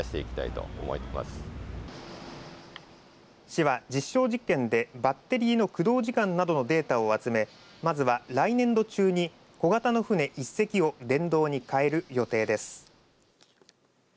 市は実証実験でバッテリーの駆動時間などのデータを集めまずは来年度中に小型の船一隻を電動に変える予定です。